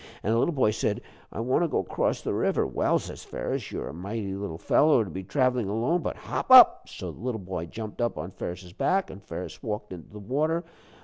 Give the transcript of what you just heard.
An' the little boy said, 'I want to go 'cross the river.' 'Well,' says Ferus, 'you're a mighty little fellow to be travelin' alone, but hop up.' So the little boy jumped up on Ferus's back, and Ferus walked into the water.